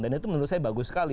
dan itu menurut saya bagus sekali